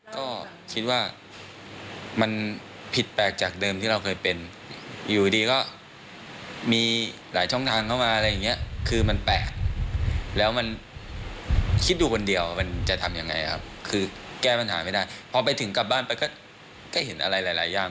ตอนนั้นรู้สึกว่าชีวิตมันวุ่นวายไหม